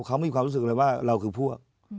เขามีความรู้สึกเลยว่าเราคือพวก